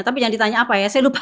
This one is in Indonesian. tapi jangan ditanya apa ya saya lupa